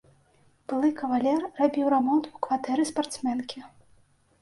Былы кавалер рабіў рамонт у кватэры спартсменкі.